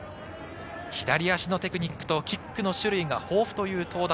左足のテクニックとキックの種類が豊富という東舘。